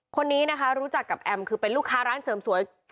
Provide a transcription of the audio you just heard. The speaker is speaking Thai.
คนนี้นะคะรู้จักกับแอมคือเป็นลูกค้าร้านเสริมสวย